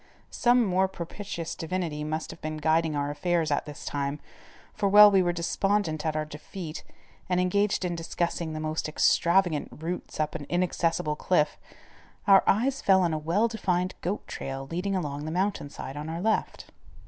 Some more propitious divinity must have been guiding our affairs at this time, for while we were despondent at our defeat, and engaged in discussing the most extravagant routes up an inaccessible cliff, our eyes fell on a well defined goat trail leading along the mountain side on our left.